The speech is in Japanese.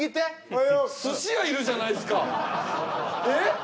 はいよ寿司屋いるじゃないすかえっ？